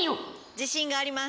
自信があります。